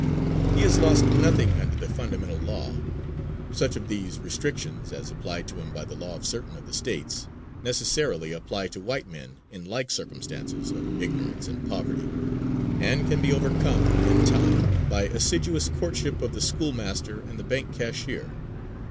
He has lost nothing under the fundamental law; such of these restrictions, as apply to him by the law of certain of the States, necessarily apply to white men in like circumstances of ignorance and poverty, and can be overcome, in time, by assiduous courtship of the schoolmaster and the bank cashier.